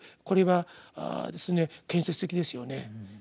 これは建設的ですよね。